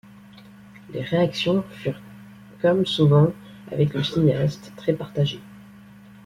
Les réactions furent, comme souvent avec le cinéaste, très partagées.